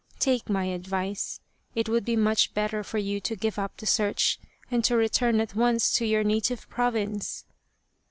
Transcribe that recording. Take my advice. It would be much better for you to give up the search and to return at once to your native province."